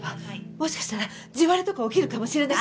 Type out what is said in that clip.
もしかしたら地割れとか起きるかもしれないし。